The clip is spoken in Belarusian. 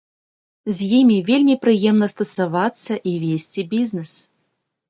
З імі вельмі прыемна стасавацца і весці бізнес.